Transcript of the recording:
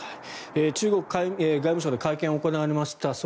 中国外務省の会見が行われました。